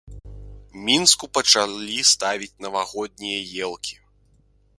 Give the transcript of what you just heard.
Мінску пачалі ставіць навагоднія елкі.